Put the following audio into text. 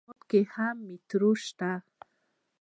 اسلام اباد کې هم میټرو شته.